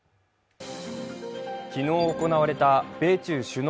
昨日行われた米中首脳